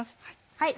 はい。